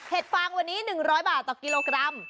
ฟางวันนี้๑๐๐บาทต่อกิโลกรัม